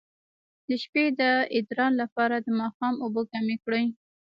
د شپې د ادرار لپاره د ماښام اوبه کمې کړئ